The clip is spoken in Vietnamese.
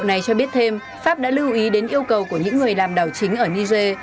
này cho biết thêm pháp đã lưu ý đến yêu cầu của những người làm đảo chính ở niger